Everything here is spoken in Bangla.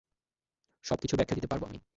সবকিছুর ব্যাখ্যা দিতে পারব আমি।